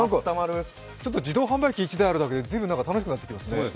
自動販売機が１台あるだけで楽しくなっちゃいますね。